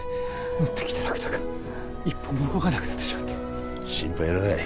乗ってきたラクダが一歩も動かなくなってしまって心配いらない